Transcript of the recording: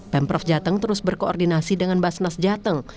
pemprov jateng terus berkoordinasi dengan basnas jateng